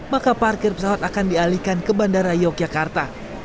maka parkir pesawat akan dialihkan ke bandara yogyakarta